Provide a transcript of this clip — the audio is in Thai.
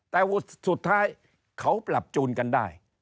แต่สุดท้ายเขาปรับจูนกันได้